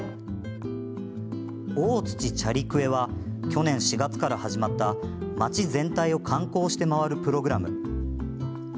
おおつちチャリクエは去年４月から始まった町全体を観光して回るプログラム。